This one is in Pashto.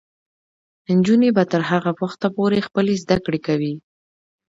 نجونې به تر هغه وخته پورې خپلې زده کړې کوي.